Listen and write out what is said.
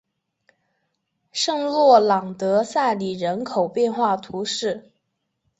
圣洛朗德塞里人口变化图示